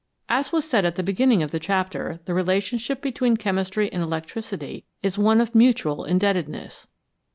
As was said at the be ginning of the chapter, the relationship between chemistry and electricity is one of mutual indebtedness.